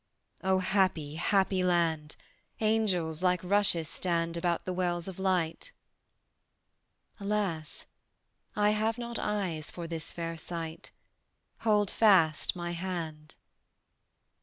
"O happy happy land! Angels like rushes stand About the wells of light." "Alas, I have not eyes for this fair sight: Hold fast my hand."